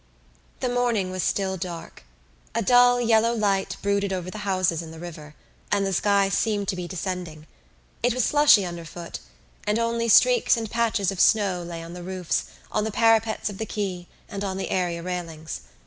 The morning was still dark. A dull yellow light brooded over the houses and the river; and the sky seemed to be descending. It was slushy underfoot; and only streaks and patches of snow lay on the roofs, on the parapets of the quay and on the area railings.